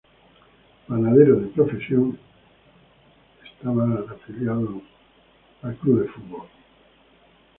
Panadero de profesión, estaba afiliado a Falange.